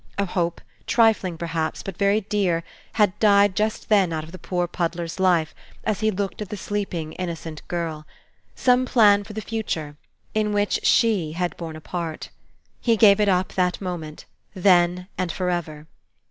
A hope, trifling, perhaps, but very dear, had died just then out of the poor puddler's life, as he looked at the sleeping, innocent girl, some plan for the future, in which she had borne a part. He gave it up that moment, then and forever.